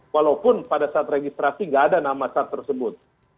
walaupun pada saat registrasi tidak ada nama sat tersebut